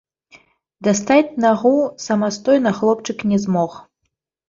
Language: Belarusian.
Дастаць нагу самастойна хлопчык не змог.